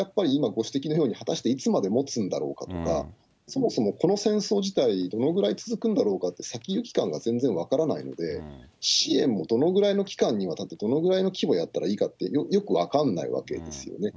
果たしていつまで持つんだろうかとか、そもそもこの戦争自体、どのぐらい続くんだろうとか、先行き感が全然分からないので、支援もどのぐらいの期間にわたって、どのぐらいの規模やったらいいかって、よく分かんないわけですよね。